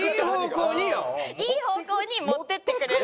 いい方向に持ってってくれる。